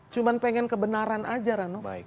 cuma pengen kebenaran aja rano